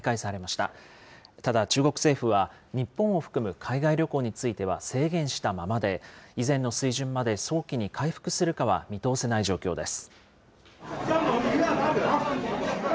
ただ中国政府は、日本を含む海外旅行については制限したままで、以前の水準まで早期に回復するかは見通せない状況です。